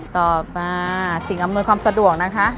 ต่อมาสิ่งอำนวยความสะดวกนะคะ